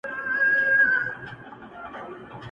په یوه شپه به پردي سي شتمنۍ او نعمتونه-